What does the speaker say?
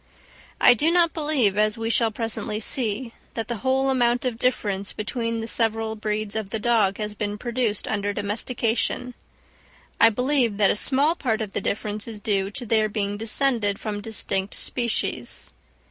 I do not believe, as we shall presently see, that the whole amount of difference between the several breeds of the dog has been produced under domestication; I believe that a small part of the difference is due to their being descended from distinct species.